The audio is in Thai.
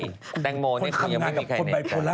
คนอ๋านังกลับคนไบโพล่าจริงว่ะ